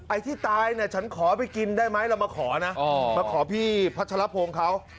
ไอ้ที่ตายเนี่ยฉันขอไปกินได้ไหมเรามาขอนะมาขอพี่พัชรพงศ์เขา